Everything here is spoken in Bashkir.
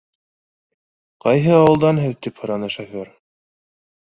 — Ҡайһы ауылдан һеҙ? — тип һораны шофер.